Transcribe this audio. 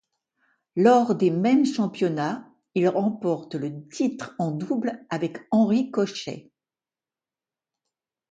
Lors des mêmes championnats, il remporte le titre en double avec Henri Cochet.